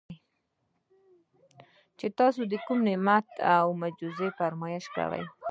چې تاسي د کوم نعمت او معجزې فرمائش کوئ